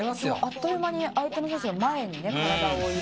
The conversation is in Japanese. あっという間に相手の選手の前に体を入れましたね。